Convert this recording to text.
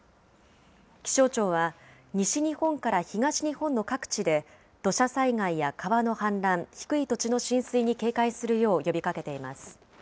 気象庁は、西日本から東日本の各地で土砂災害や川の氾濫、低い土地の浸水に警戒するよう呼びかけています。